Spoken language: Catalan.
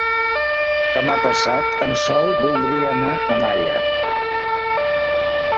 Demà passat en Sol voldria anar a Malla.